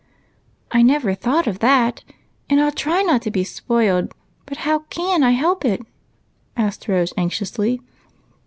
"I never thought of that, and I'll try not to be spoilt. But how can I help it?" asked Rose anx iously.